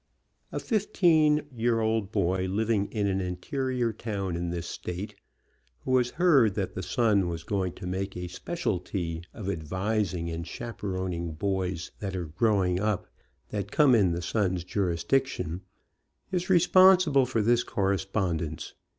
A 15 year old boy, living in an interior town in this state, who has heard that The Sun was going to make a specialty of advising and chaperoning boys that are growing up, that come in The Sun's jurisdiction, is responsible for this correspondence.